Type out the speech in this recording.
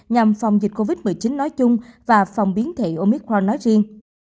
nhằm phòng dịch covid một mươi chín nói chung và phòng biến thị omicron nói riêng